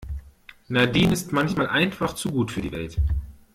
Nadine ist manchmal einfach zu gut für die Welt.